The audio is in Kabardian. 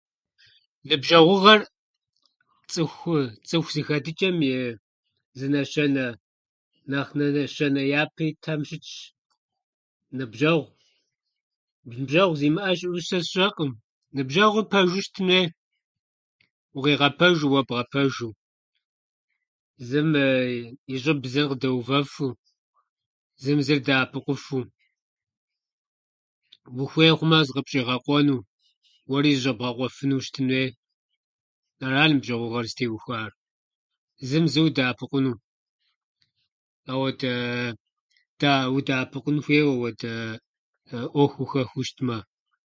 Ныбжьэгъугъэр цӏыху- цӏыху зэхэтычӏэм и зы нэщэнэ, нэхъ нэ- нэщэнэ япэ итхэм щытщ. Ныбжьэгъу- Ныбжьэгъу зимыӏэ щыӏэу сэ сщӏэкъым. Ныбжьэгъур пэжу щытын хуей, укъигъэпэжу, уэ бгъэпэжу, зым и щӏыб зыр къыдэувэфу, зым зыр дэӏэпыкъуфу, ухуей хъумэ, зыкъыпщӏигъэкъуэну, уэри зыщӏэбгъэкъуэфыну щытын хуей. Ара ныбжьэгъугъэр зытеухуар – зым зыр удэӏэпыкъуну. ауэдэ- удэ- Удэӏэпыкъун хуей ауэдэ ӏуэху ухэхуэу щытмэ.